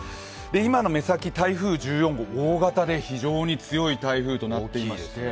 今の目先、台風１４号大型で非常に強い台風となっています。